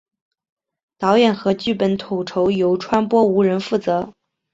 导演和剧本统筹由川波无人负责。